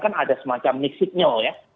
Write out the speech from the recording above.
kan ada semacam nix signal ya